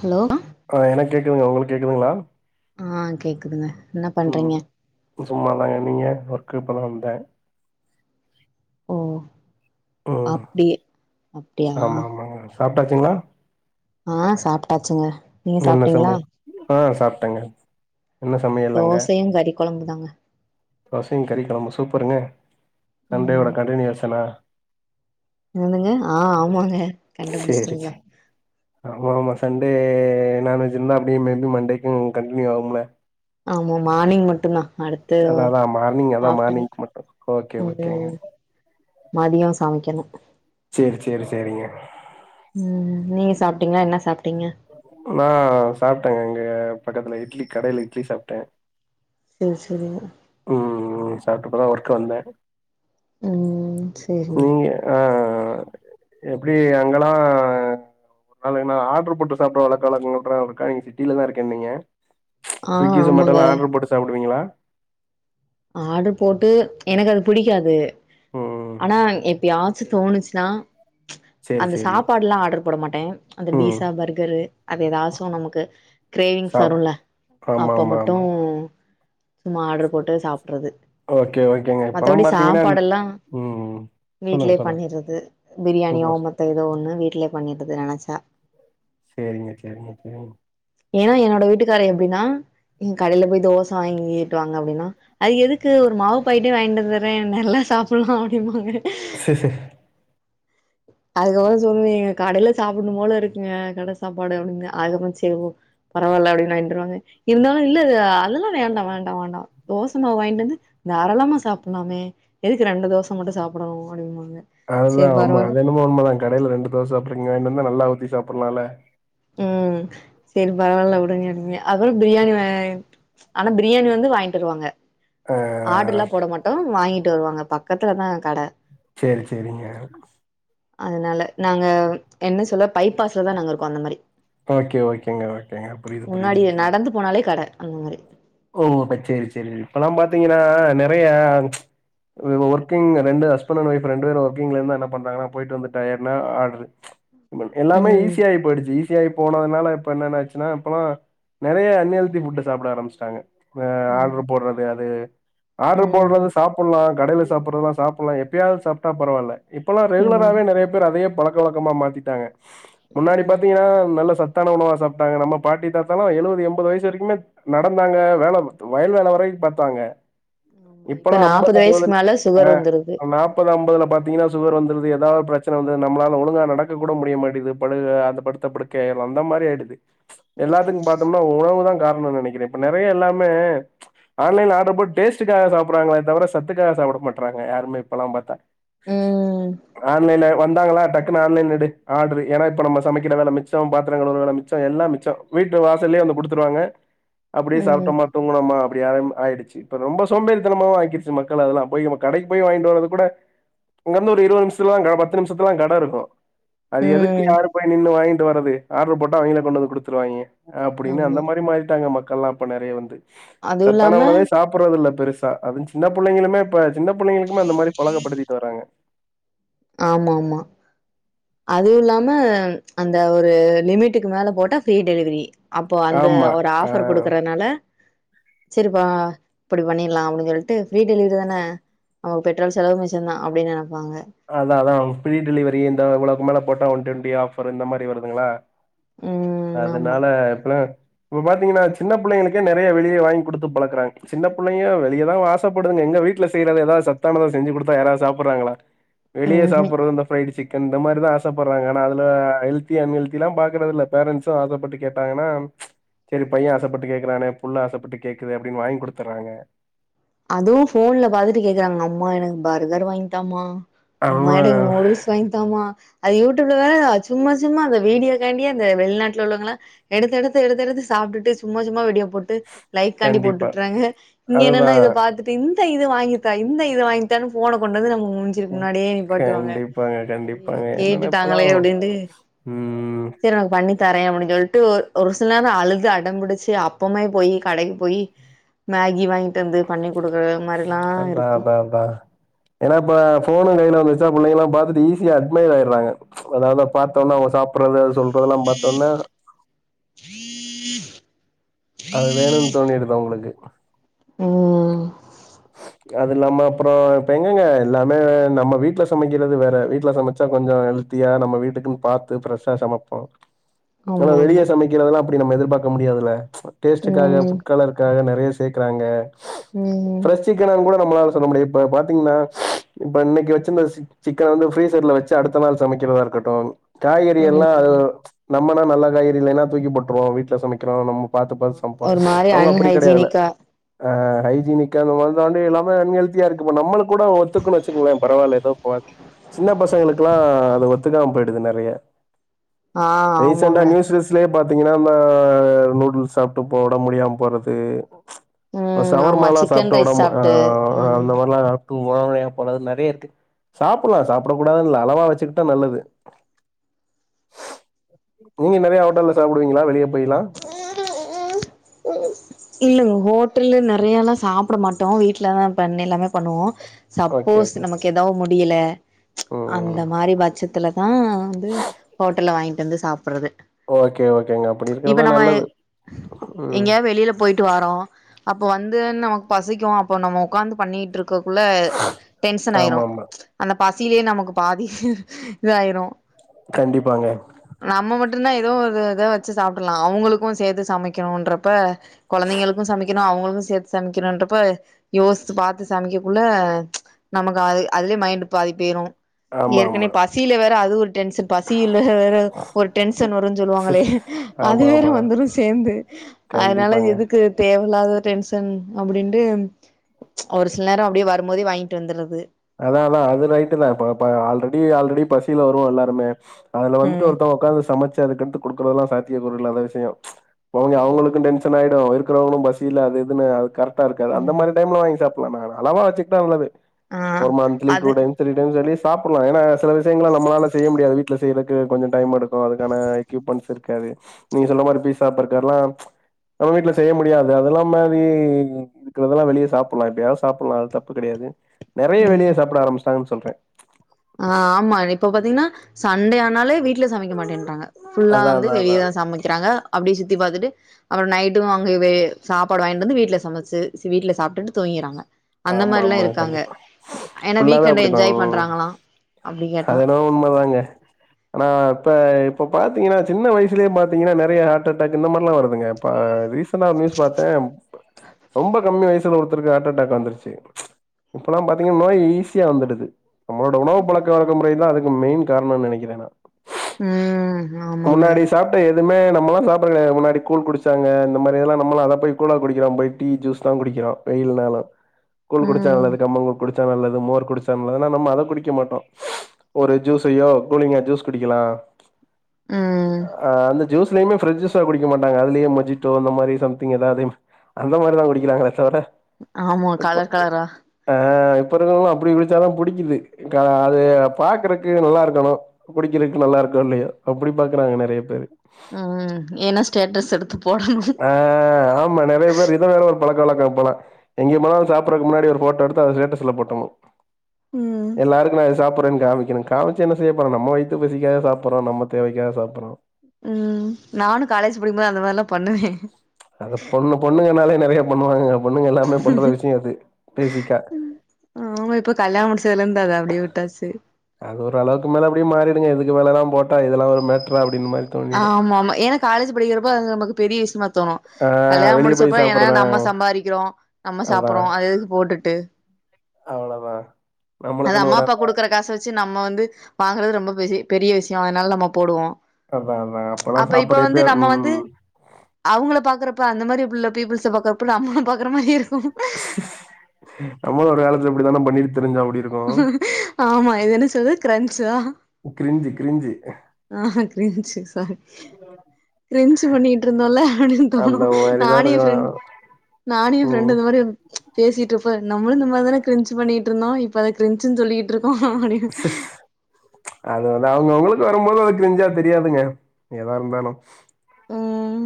Hello அ அ என்க கேக்குதுங்க ஒங்குளுக் கேக்குதுங்ளா ஆ கேக்குதுங்க என்ன பண்றீங்க ம் சும்ம தாங்க நீங்கள் ஒர்க்கு இப்பதா வந்தே ஓ ம் அப்டி அப்டியா சாப்ட்டாச்சுங்ளா ஆ சாப்ட்டாச்சுங்க நீங்க என்ன சாப்ட்டீங்களா சம்யல் ஆ சாப்ட்டங்க இன்ன சமயல் அங்க கொழம்புதாங்க ஒ சிங் கறி கொழம்பு சூப்பருங்க சண்டே ஓட ம் கண்டினிவேசணா இன்னங்க ஆ ஆமாங்க சேரி கண்டுபுடுச்டீங்ளா சே ஆமா ஆமா சண்டே நான்வெஜ் இருந்தா அப்டியே மே டு மண்டேக்கு கண்டினியூ ஆகும்ல ஆமா மானிங் மட்டுந்தா அடுத் சல் அதா மார்னிங் அதா மார்னிங்கு மட்டு ஓகே ஓகேங்க ம் மதியோ சமைக்கணு சேரி சேரி சேரிங்க ம் ம் நீங்க சாப்ட்டீங்ளா என்ன சாப்ட்டீங்க நா சாப்ட்டங்க இங்க பக்கத்துல இட்லி கடைல இட்லி சாப்ட்ட ஏ செரிங்க ம் ம் சாப்ட்டு இப்பதா ஒர்க்கு வந்தே ம் சேரிங்க நீங்க அ அ அ எப்டி அங்கலா நாளைக் நா ஆட்ரு போட்டு சாப்ட்ற வழக்கு வழக்கு [unintelligible] நீங் சிட்டில தா இருக்கேன்னீங்க ஆ சுக்கி ஆமாங்க சொமேட்டோலா ஆட்ர் போட்டு சாப்டுவீங்களா ஆர்ரு போட்டு எனக்கு அது புடிக்காது ம் ஆனா எப்யாச்சு தோணுச்சு நா சேரி அந்த சேரி சாப்பாடுலா ஆர்ரு போட மாட்ட அந்த ம் பீஸா பர்கரு அது எதாச்சு நமுக்கு கிரேவிங்ஸ் சாப் வருல்ல ஆமா அப்ப ஆமா மட்டு ஆமா சும்மா ஆட்ரு போட்டு சாப் ட்றது ஓகே ஓகேங்க இப்பல்லா மத்தவடி பாத்தீங்கன்னா சாப்பாடுல்லா ம் சொல்லுங்க வீட்லே சொல்லுங்க பண்ணிற்றது பிரியாணியோ சூப்பர் மத்த எதோ ஒன்னு வீட்லே பண்ணிற்றது நெனச்சா சேரிங்க சேரிங்க சேரிங் ஏனா என்னோட வீட்டுக்காரே எப்டின்னா இ கடைல போய் தோச வாங்கீட்வாங்க அப்டின்னா அது எதுக்கு ஒரு மாவு பாக்கெட்டே வாங்கிட்டு வந்தர்றே நல்லா சாப்புல்லா அப்டிம்பாங்க சே சேரி அதுக்கப்பறோ சொல்லுவேங்க கடைல சாப்புட்னு போல இருக்குங்க கட சாப்பாடு அப்டின்னு அதுவு சேரி போ பரவால அப்டின்னு வாங்கிட்டு வருவாங்க இருந்தாலு இல்ல அதெல்லா வேண்டா வேண்டா வேண்டா அட மாவு வாங்கிட்டு வந்து தாராளமா சாப்புல்லாமே எதுக்கு ரெண்டு தோச மட்டு சாப்படணு அப்டிபாங்க அதுதா ஆமா அது என்னமோ உண்மதா கடைல ரெண்டு தோச சாப்டுறீங்க இங்க வாங்கிட்டு வந்தா நல்லா ஊத்தி சாப்பட்லால ம் சேரி பரவால உடுங்கெங்க அவரு பிரியாணி வா ஆனா பிரியாணி வந்து வாங்கிட்டு வருவாங்க ஆ ஆர்டர்லா போட மாட்டோ வாங்கிட்டு வருவாங்க பக்கத்துலதா கட சேரி சேரிங்க அதனால நாங்க என்ன சொல்ல பைப்பாஸ்ல தா நாங்க இருக்கோ அந்த மாரி ஓகே ஓகேங்க ஓகேங்க புரியுது புரியுது முன்னாடி நடந்து போனாலே கட அந்த மாரி ஓ அப்ப சேரி சேரி இப்பெல்லா பாத்தீங்கன்னா நறைய வர்க்கிங் ரெண்டு ஹஸ்பண்ட் அண்ட் வய்ஃப் ரெண்டு பேரு வர்க்கிங்ல இருந்தா என்ன பண்றாங்கனா போய்ட்டு வந்து டயர்டு னா ஆர்டு உங்களுக்கு எல்லாமே ம் ஈஸி ஆயி போய்டுச்சி ஈ த்தி ஆயி போனதுனால இப்ப என்னன்ன ஆச்சுன்னா இப்பல்லா நறையா அன்ஹெல்த்தி ஃபுட்ட சாப்பட ஆரம்புச்ட்டாங்க மே ம் ஆர்டர் போட்ற முடியாது ஆர்டரு போட்றது ம் சாப்புல்லா கடைல சாப்புடுறதலா சாப்புல்லா எப்பயாவ்து சாப்ட்டா பரவால இப்பெல்லா ம் ரெகுலராவே நறையா பேர் அதயே பழக்க வழக்கமா மாத்திட்டாங்க முன்னாடி ம் பாத்தீங்கன்னா நல்ல ச த்தான உணவா சாப்ட்டாங்க நம்ம பாட்டி தாத்தா லா எழுவது எம்பது வய்சு வரக்குமே நடந்தாங்க வேல வயல் வேல வரைக்கு பாத்தாங்க ஆமா இப்ப இப்பெல்லாம் ஐம்பது நாப்பது அறுவது வயசுக்கு மேல சுகர் ஆ வந்துருது நாப் ப்பது அம்பதுல பாத்தீங்கன்னா சுகர் வந்துருது எதாவது ப்ரச்சன வந்துருது நம்பளால ஒழுங்கா நடக்க கூட முடிய மாட்டீது ப அந்த படுத்த படுக் கை ஆய்ர்றோ அந்த மாரி ஆயிடுது எல்லாத்துக்கும் பாத்தோம்னா உணவு தா காரணொ‌னு நனைக்கிறே நறையா எல்லாமே ஆன்லைன்ல ஆர்டர் போட்டு டேஸ்ட்க்காக சாப்புட்றாங்களே தவிர சத்துக்காக சாப்பட மாட்றாங்க யாருமே இப்பெல்லா‌ பாத்தா ம் ஆன்லைன்ல வந்தாங்களா டக் டக்குனு ஆன்லைன்ல எடு எனா இப்ப நம்ம சமக்கிற வேல மிச்சம் பாத்தர கழுவுற வேல மிச்ச எல்லா மிச்சொ வீட்டு வாசல்லெயே வந்து குடுத்துருவாங்க அப்டியே ம் சாப்ட்டொமா தூங்கணொமா அப்டி ஆம் ஆயிடுச்சி இப்ப ரொம்ப சோம்பேறிதனமா ஆக்கிர்ச்சு மக்கள அதெல்லா போய் மு கடைக் போய் வாங்கிட்டு வரது கூட இங்க இருந்து ஒரு இருவது நிம்ஷத்துலா கட பத்து நிம்ஷத்துல தா கட இருக்கு அது எதுக்கு ம் யாரு போய் நின்னு வாங்கிட்டு வரது ஆர்டர் போட்டா அவிங்களே கொண்டு வந்து குடுத்துருவாய்ங்க அப்டின்னு ஆமா அந்த மாரி மாறிட்டாங்க மக்கள்லா இப்ப நறையா வந்து அதுவு சத்தான இல்லாம உணவே சாப் புட்றது இல்ல பெருசா அது சின்ன புள்ளெங்களுமே சின்ன புள்ளெங்களுக்குமே அந்த மாரி பழக்கப்படுத்திட்டு வராங்க ஆமா ஆமா அதுவு இல்லாம அந்த ஒரு லிமிட்டுக்கு மேல போட்டா ஃப்ரீ டெலிவெரி அப்போ அந்த ஆமா. ஒரு அ ஆஃபர் குடுக்கறனால செரிபா இப்பிடி பண்ணீர்லா அப்டி சொல் ட்டு ஃப்ரீ டெலிவரி தான நமக்கு பெட்ரோல் செலவு மிச்சொந்தா அப்டின் நனப்பாங்க அதா அதா ஃப்ரீ டெலிவரி இந்த இவ்ளோவக்கு மேல போட்டா வன் ட்வண்ட்டி ஆஃபர் இந்த மாரி வருதுங்ளா ம் ஆமா அதனால இப்பலா இப்ப பாத்தீங்கன்னா சின்ன புள்ளெங்களுக்கே நெறையா வெளியே வாங்கி குடுத்து பழக்கறாங்க சின்ன பிள்ளங்க வெளிய தா ஆசப்படுதுங்க எங்க வீட் ட்ல செய்றத எதா சத்தானதா செஞ்சு குடுத்தா யாராது சாப்பட்றாங்களா வெளிய ம் சாப்புட்ற இந்த ஃப்ரைடு சிக் இந்த மாரிதா ஆசைப்படுறாங்க ஆனா அது ஹெல்தி அன்ஹெல்தி எல்லா பாக்கறது இல்ல பேரண்ட்சு ஆசைப்பட்டு கேட்டாங்கன்னா சரி பைய ஆசைப்பட்டு கேக்குறானே புள்ள ஆசைப்பட்டு கேக்குது அப்படின்னு வாங்கி குடுத்துறாங்க அதுவு ஃபோன்ல பாத்துட்டு கேக்குறாங்க அம்மா எனக்கு பர்கர் வாங்கி தாம்மா அம்மா அவங்க எனக்கு நூடுல்ஸ் வாங்கிதாமா அது யூடியூப்ல வேற சும்மா சும்மா அந்த வீடியோ காண்டியே அந்த வெளிநாட்டுல உள்ளவங்களா எடுத்து எடுத்து எடுத்து எடுத்து சாப்ட்டுட்டு சும்மா சும்மா வீடியோ போட்டு லைக் காண்டி கண்டிப்பா. போட்டுட்றாங்க இங்க என்னன்னா அதுதான். இத ட்டு இந்த இது வாங்கித்தா இந்த இது வாங்கித்தா ஃபோன கொண்டு வந்து நம்ம முஞ் க்கு முன்னாடியே நீப்பாட்டுவாங்க கண்டிப்பாங்க, ஐயோ கண்டிப்பாங்க. என்னன்னா கேட்டுட்டாங்களே இப்பலாம் அப்படின்ட்டு ம். சரி உனக்கு பண்ணி தரேன் அப்படின்னு சொல்லிட்டு ஒரு ஒரு சில நேர அழுது அடம்பிடிச்சு அப்பமே போய் கடைக்கு போய் மேகி வாங்கிட்டு வந்து பண்ணி குடுக்கற மாரில்லா இருக்கு பபா ஏனா இப்ப ஃபோனு கையில வந்துர்ச்சா பிள்ளைங்கல்லா பாத்துட்டு ஈஸியா அட்மைர் ஆயிறாங்க அதா அத பாத்தோன்ன அவுங்க சாப்படுறது சொல்றதெல்லா பாத்தோன்ன அது வேணுன்னு தோணிடுது அவுங்களுக்கு ம் ம் அது இல்லாம அப்புற இப்ப எங்கங்க எல்லாமே நம்ம வீட்ல சமைக்கிறது வேற வீட்ல சமைச்சா கொஞ்ச ஹெல் த்தியா நம்ம வீட்டுக்குன்னு பாத்து ஃபிரெஷ்ஷா சமைப்போ ஆனா ஆமா வெளிய ஆமா சமைக்கிறதுல்லா அப்படி நம்ம எதிர்பாக்க முடியாதுல்ல டேஸ்ட்காக ம் கலருக்காக நெறைய சேக்கறாங்க ம் சிக்கன கூட நம்மளால சொல்ல முடியு இப்ப பாத்தீங்கன்னா இப்ப இன்னைக்கு வச்சிருந்த சிக் சிக்கன வந்து ஃப்ரீஸரில வச்சு அடுத்த நாள் சமைக்கிறதா இருக்கட்டு காய்கறி ஆமா எல்லா ஆமா நம்மன்னா நல்ல காய்கறி இல்லைன்னா தூக்கி போட்டுருவோ வீட்ல சமைக்கிறோ நம்ம பாத்து பாத்து சமைப்பம் ஒரு மாரி அவுங்க அப்படி கிடையாதுல அன்ஹைஜீனிக்கா ஆ ஹைஜீனிக் வந்தோனே எல்லாமே அன்ஹெல்தியா இருக்கு இப்ப நம்ம கூட ஒத்துக்கன்னு வச்சுக்கங்களே பரவால்ல ஏதோ சின்ன பசங்களுக்கெல்லா அது ஒத்துக்காம போயிடுது நெறைய ஆ ரீசென்டா ஆமாங்க நியூஸ் லேயே பாத்தீங்கன்னா இந்த நூடுல்ஸ் சாப்ட்டு ஒடம்பு முடியாம போறது ம் ஆமா சவர்மால்லா சிக்கன் சாப்ட்டு ரைஸ் உடம்பு ஆ சாப்ட்டு ம் அந்த மாரிலா உடம்பு முடியாம போறது நெறைய இருக்கு சாப்புல்லா சாப்பிடக் கூடாதுன் இல்ல அளவா வச்சிக்கிட்டா நல்லது நீங்க நெறைய ஹோட்டல்ல சாப்பிடுவீங்களா வெளிய போய்லா இல்லங்க ஹோட்டல்ல நெறைய எல்லா சாப்பிட மாட்டோ வீட்லதா பண்ணி எல்லாமே பண்ணுவோ ஓகே சப்போஸ் ஓகே நமக்கு எதாவது முடியல அந்த ம் மாரி பட்சத்துல தா வந்து ஹோட்டல்ல வாங்கிட்டு வந்து சாப்பிட்றது ஓகே ஓகேங்க அப்படி இருக்கறதுதா நல்லது ம் எங்கேயா வெளியில போயிட்டு வரோ அப்ப வந்து நமக்கு பசிக்கு அப்ப நம்ம உட்காந்து பண்ணிட்டு இருக் ககுள்ள டென்சன் ஆயிரு ஆமா ஆமா அந்த பசியிலே நமக்கு பாதி இதாயிரு கண்டிப்பாங்க நம்ம மட்டுனா எதோ ஒரு இத வச்சு சாப்ட்டுலா அவுங்களுக்கு சேத்து சமைக்கணுன்றப்ப குழந்தைங்களுக்கு சமைக்கணு அவுங்களுக்கு சேத்து சமைக்கணுன்றப்ப யோசிச்சி பாத்து சமைக்ககுள்ள நமக்கு அது அதுலயே மைண்ட் பாதி போயிரு ஆமா ஆமா ஏற்கனே பசியில வேற அது ஒரு டென்ஷன் பசியில வேற ஒரு டென்ஷன் வரும்ன்னு சொல்லுவாங்களே அது ஆமா வேற ஆமா வந்துடு சேர்ந்து அதனால கண்டிப்பாங்க எது க்கு தேவையில்லாத டென்ஷன் அப்டின்ட்டு ம்ச் ஒரு சில நேரம் அப்டியே வரு போதே வாங்கிட்டு வந்துறது அதா அதா அது ரைட்டு தா இப்ப இப்ப ஆல்ரெடி ஆல்ரெடி பசியில வருவோ எல்லாருமே அதுல வந்துட்டு ம் ஒருத்தவ உட்காந்து சமைச்சு அதுக்கேந்து கொடுக்குறதெல்லா சாத்திய பொருயில்லாத விஷய போங்க ம் அவங்களுக்கு டன்ஷன் ஆயிடு இருக்கவங்களு பசியில அது இதுன்னு அ கெரட்ட இருகாது அந்த ம் மாதிரி டைம்ல வாங்கி சாப் எல்லாமே அலவா வச்சுக்கிட்டா நல்லது ஆ ஒரு மந்த்லி டூ அது டைம் திரீ டைம்ஸ் வெளிய சாப்பிட்லா ஏனா சில விஷயங்கள நம்மலால செய்ய முடியாது வீட்டுல செய்யறதுக்கு கொஞ்சோ டைம்யேடுத்து இப்போ அதுக்கான எக்யூப்மெண்ட்ஸ் இருக்காது நீங்க சொன்ன மாரி பிசா பர்க்கர்லா நம்ம வீட்டுல செய்ய முடியது அதெல்லா மாரி இருக்கறதெல்லா வெளியே சாப்பிட்லா எப்பயாது சாப்பிடலா அது தப்பு கிடையாது நெறையா ம் வெளிய சாப்பிட ஆரம்பிச்சுடாங்கன்னு சொல்றே ஆ ஆமா இப்ப பாத்தீங்கன்னா சண்டே ஆனாலே வீடல சமைக்க மாட்டேன்றாங்க ஃபுல்லா அதா வந்து அதா அதா வெளியேதா சமைக்கிறாங்க அப்டியே சுத்தி பாத்துட்டு அப்புரோ நைட்டு அங்கயவே சாப்பாடு வாங்கிட்டு வந்து வீட்டுல சமைச்சு வீட்டுல சாப்பிட்டுட்டு தூங்கிறாங்க அந்த ஆமா மாரி எல்லா ஆமா இருக்காங்க கண்டிப்பா ஏன்னா ஃபுல்லாவே வீக்கண்ட அப்டிதா என்ஜாய் ம் பண்றாங்களா அப்டி கேட்டா அது எண்ணமோ உண்மதாங்க ஆனா இப்ப இப்ப பாத்தீங்கன்னா சின்ன வயசுலயே பாத்தீங்கன்னா நெறையா ஹெர்ட் அட்டாக் இந்த மாரிலா வருதுங்க இப்ப ரீசன நியூஸ் பாத்தே ரொம்ப கம்மி வயசு ல ஒருத்தருக்கு ஹெர்ட் அட்டாக் வந்துருச்சு ம்ச் இப்பயெல்லா பாத்தீங்க நோய் ஈஸியா வந்துடுது நம்ளோட உணவு பழக்கவழக்க முறைதா அதுக்கு மெயின் காரணம்னு நெனைக்கிற நா ம் ஆமாங்க முன்னாடி சாப் எதுவுமே நம்மயெல்லா சாப்பறது கிடையாது முன்னாடி கூழ் குடிச்சாங்க இந்த மாதிரில்ல நம்மா அத போ கூழ குடிகிறோ போய் டீ ஜூஸ் தா குடிக்கிறோ வெயில் நாலு கூழ் குடிச்ச ம் நல்லது கம்ம கூழ் குடிச்ச கூழ் குடிச்ச நல்லது மோர் குடிச்ச நல்லதுனா நம்ம அத குடிக்க மாட்டோ ஒரு ஜூஸயோ கூலிங்கா ஜூஸ் குடிக்கலா ம் ஆ அந்த ஜூஸ் எப்பாவுமே பிராஸ் ஜூஸ்ஸ குடிக்கமாட்டாங்க அதுலயு மஜிட்டோ அந்த மாரி சம்திங் எதாவது அந்த மாரிதா குடிக்கராங்களே தவர ஆமா இப்போ கலர் கலரா ஆ இப்ப இருக்வாங்களுக்கு அப்டி குடிச்சாதா புடிக்குது அது பாக்குறக்கு நல்லா இருக்கணு குடிக்கிறதுக்கு நல்லா இருக்கு இல்லையா அப்டி பாக்குறாங்க நெறைய பேரு ம் ஏனா ஸ்டேட்டஸ் எடுத்துப் ஆ ஆமா நெறையா பேர் இதா வேற ஒரு பழக்க வழக்கம் போல எங்காபோலு சாப்பறக்கு முன்னாடி ஒரு போட்டோ எடுத்து அத ஸ்டேஸ்ல போட்டுணு ம் எல்லாருக்கு நா இத சாப் புறனு காமிக்கணு காமிச்ச என்ன செய்யபோறோ நம் வைத்து பசிக்க சப்புறோ நம்ம தேவைக்காக சாப்புறோ ம் நானு காலேஜ் படிக்கும்போது அந்த மாரிலா பண்ணுவே ம்ச் அது பொண்ணு பொண்ணுங்கனாலே நெறைய பண்ணுவாங்க பொண்ணுங்க எல்லாமே பண்ற விஷய அது பேசிக்கா ஆமா இப்ப கல்யண முடிச்சதுல இருந்த அத அப்டியே விட்டாச்சு அது ஒரு அளவுக்கு மேல அப்டியே மாறிடுங்க இதுக்கு மேல எல்லா போட்டா இதெல்லா ஒரு மேட்டரா அப்டின்னு மாரி தோணிடும். ஆமா ஆமா ஏனா காலேஜ் படிக்கிறப்போ அது நமக்கு பெரிய விஷயமா தோணு ஆ கல்யாணம் வெளிய போய் முடிச்சப்ப ஏன்ன சாப்பிடுறேன். நம்ம சம்பாதிக்கிறோ நம்ம சாப்பிடுறோ அது எதுக்கு போட்டுட்டு அவ்ளதா அது அம்மா அப்பா குடுக்கற காச வச்சு நம்ம வந்து வாங்குறது ரொம்ப பெரி பெரிய விஷியோ அதனால நம்ம போடுவோ அதா அதா இப்பல்லா சாப்பாடு எப்யா ம் அவுங்கள பாக்கறப்ப அந்தமரி புள்ள பீப்புள்ச பாக்கறப்போ நம்ல பாக்குற மாரியே இருக்கு நம்மளு ஒரு காலத்துல இப்டித்தான பண்ணிட்டு திரிஞ்சோ அப்டி இருக் ஆமா இது என்ன சொல்து கரன்சா கிரிஞ்சி கிரிஞ்சி ஆ கிரிஞ்சு சா கிரிஞ்சு பண்ணிட்ருந்தோல்ல அப்டின் தோணு அந்த மாரிதான் நானே என் ஃப்ரெண்ட் இருக்கும் நானும் ப்ரெண்டு ம் இந்த மாரி பேசிட்ருப்போ நமுலு இந்த மாரிதான கிரின்ச் பண்ணிட்டு இருந்தோ இப்ப அத கிரிச்சின் சொல்லிட்டு ட்ருக்கோ அப்டின் அது வந்து அவுங்க அவுங்களுக்கு வரம்போது அது கிஞ்சா தெரியாதுங்க ஏதா இருந்தாலு ம்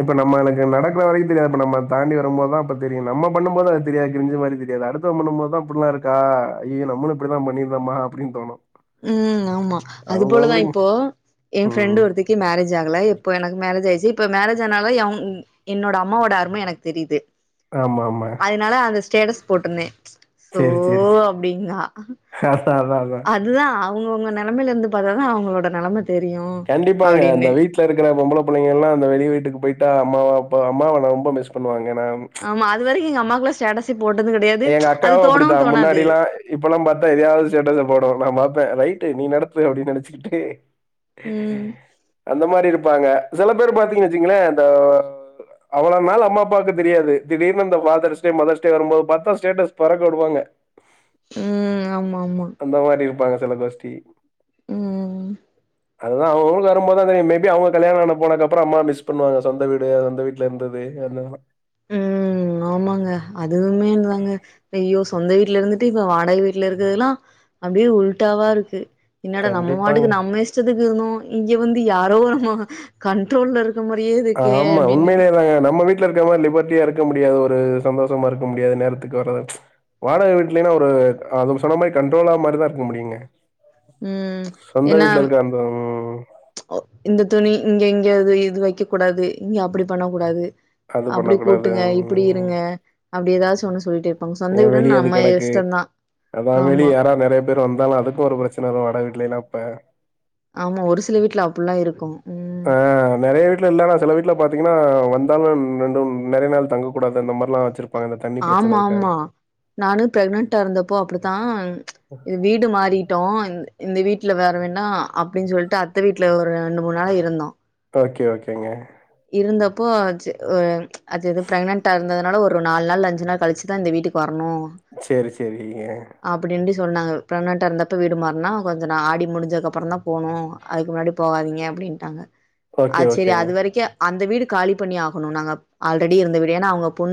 இப்ப நம்மளுக்கு நடக்ற வரைக்கு தெரியாது இப்ப நம்ம தாண்டி வரும் போதா அப்ப தெரியு நம்ம பண்ணும் போது அது தெரியாது கிஞ்சி மாரி தெரியாது அடுத் சுதம் பண்ணு போது தா இப்புல்லா இருக்கா ஐய்யய நம்மளு இப்டி தா பண்ணியிருந்தம்மா அப்டின் தோணு ம் ஆமா அது போலதா இப்போ என் ஃப்ரெண்டு் ம் ஒருத்திக் கி மேரேஜ் ஆகல இப்ப எனக்கு மேரேஜ் ஆயிச்சு இப்ப மேரேஜ் ஆனாலு எவ் என்னோட அம்மாவோட அரும எனக் தெரிது ஆமா ஆமா அதனால அந்த ஸ்டேட்டஸ் போட்டிருந்தே சோ செரி செரி அப்டின்னா அதா அதா அதா அதுதா அவுங்கவுங்க நெலைமைல இருந்து பாத்தாதா அவுங்களோட நெலைம தெரியு அப்டின்னு ட்ல இருக்குற பொம்பள புள்ளைங்க எல்லா அந்த வெளி வீட்டுக்கு போய்ட்டா அம்மாவ அப் அம்மாவ ரொம்ப மிஸ் பண்ணுவாங்க ஏனா ஆமா அது வரைக்கு எங்க அம்மாக்களா ஸ்டேட்டஸே போட்டது கெடையாது அது தோணவு தோணாது இப்பல்லா பாத்தத ஏதாவது சேட்ட போட [unintelligible] நா பாத்த ரைட்டு நீ நடத்து அப்டின்னு நெனச்சிக்கிட்டு ம் அந்த மாரி இருப்பாங்க சில பேரு பாத்தீங்கு வச்சுங்களே அந்த அவளோ நான் அம்மா அப்பாக்கு தெரியாது திடீர்னு அந்த ஃபாதர் மதர்ஸ் டே வரும்போது பாத் த்தோ ஸ்டேட்டஸ் பறக்க வுடுவாங்க ம் ஆமா ஆமா அந்த மாரி இருப்பாங்க செல கோஷ்டி ம் அதுதா அவுங் அவுங்களுக்கு வரம்போதா தெரியு மேபி அவுங்க கல்யாண ஆண போனக்கப்பறோ அம்மா மிஸ் பண்ணுவாங்க சொந்த வீடு அது அந்த வீட் ட்லேந்துது [unintelligible] ம் ஆமாங்க அதுவுமே என்துதாங்க என்து தாங்க ஐய்யோ ஸ் சொந்த வீட்ல இருந்துட்டு இப்ப வாடகை வீட்ல இருக்குதுல்லா அப்படியே உல்டாவா இருக்கு என்னடா நம்ம கண்டிப்பாங்க. மாட்டுக்கு நம்ம இஷத்துக்கு இருந்தோ இங்க வந்து யாரோ ஒரு மோ கண்ட்ரோல்ல இருக் கம் மாரியே இருக்கே ஆமா அப்டின்னு உண்மேலே தாங்க நம்ம வீட் ட்ல இருக்க மாரி லிபர்டியா இருக்க முடியாது ஒரு சந்தோஷமா இருக்க முடியாது நேரத்துக்கு வரது வாடக வீட்லைன்னா ஒரு அதும் சொன்ன மாரி கண்ட்ரோலா மாரிதா இருக்க முடியுங்க ம் சொந்த ஏன்னா வீட்ல இருக்க அந்த ம் இந்த துணி இங்க இங்க அது இது வக்க கூடாது இங்க அப்டி பண்ண கூடாது அது அப்டி பண்ணக்கூடாது. கூட்டுங்க இப்டி ம். இருங்க அப்டி ஏதாச்சு ஒன்னு சொல்லிட்டே இருப்பாங்க சொந்த ஏன் வீடு வெளிய அது நம்ம கெடக்கு. இஷ்டந்தா அதான் வெளிய ஆமா யாரா நெறைய பேரு வந்தாலு அதுக்கு ஒரு ப்ரெச்சன வரு வாடக வீட்லைலா அப்ப ஆமா ஒரு சில வீட்ல அப்புல்லா இருக்கும் ஆ நெறைய வீட்ல இல்லன்னா செல வீட்ல பாத்தீங்கன்னா வந்தாலு ரெண்டு நெறைய நாள் தங்க கூடாது அந்த மாரிலா வச்சிருக் ஆமா ஆமா நானு பிரெக்னன்டா இருந்தப்போ அப்படித்தா வீடு மாறி தோ இந்த வீட்டுல வேற வேண்டா அப்டின்னு சொல்லிட்டு அத்தை வீட்டுல ஒரு ரெண்டு மூணு நாள இருந்தோ ஓகே ஓகேங்க இருந்தப்போ ஆச்சு அதுது பிரெக்னன்டா இருந்ததுனால ஒரு ஒரு நாலு நாள் அஞ்சு நாள் கழிச்சுத இந்த வீட்டுக்கு வரணு சரி சரிங்க அப்டின்டு சொன்னாங்க பிரேகநான்ட்டா இருந்தப்ப வீடு மாறுனா கொஞ்சோ நா ஆடி முடிஞ்சதுக்கப்புறதா போனு அதுக்கு முன்னாடி போகாதீங்க அப்டின்ட்டாங்க அ ஓகே, செரி ஓகேங்க. அது வரைக்கும் அந்த வீடு காலி பண்ணி ஆகணு நாங்க ஆல்ரெடி இருந்த வீடு ஏன்னா அவுங்க பொண்ணு